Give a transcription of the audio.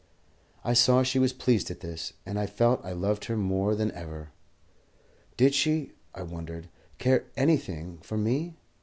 I saw she was pleased at this, and I felt I loved her more than ever. Did she, I wondered, care anything for me?